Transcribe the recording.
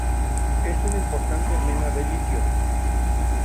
Es una importante mena de litio.